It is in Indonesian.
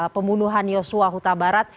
pembunuhan yosua huta barat